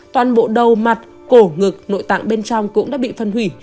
toàn bộ đầu mặt cổ ngực nội tạng bên trong cũng đã bị phân hủy